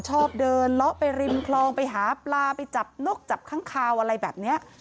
ชอบเดินเลาะไปริมคลองไปหาปลาไปจับนกจับข้างคาวอะไรแบบนี้